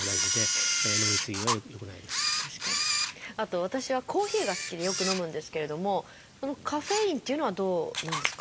あと私はコーヒーが好きでよく飲むんですけれどもカフェインっていうのはどうなんですか。